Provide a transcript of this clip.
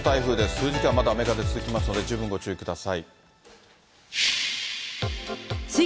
数時間まだ雨風続きますので、十分ご注意ください。